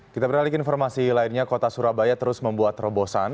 kita beralih ke informasi lainnya kota surabaya terus membuat terobosan